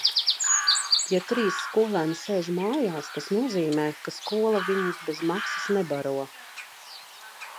Ja trīs skolēni sēž mājās, tas nozīmē, ka skola viņus bez maksas nebaro...